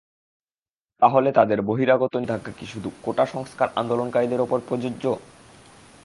তাহলে তাদের বহিরাগত নিষেধাজ্ঞা কি শুধু কোটা সংস্কার আন্দোলনকারীদের ওপর প্রযোজ্য?